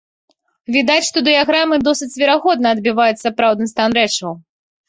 Відаць, што дыяграмы досыць верагодна адбіваюць сапраўдны стан рэчаў.